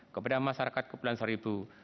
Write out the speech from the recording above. kepada masyarakat kebeloan seribu